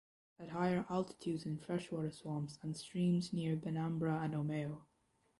At higher altitudes in freshwater swamps and streams near Benambra and Omeo.